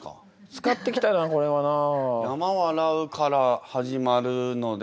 使ってきたなこれはなあ。